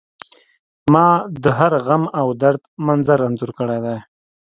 ما د هر غم او درد منظر انځور کړی دی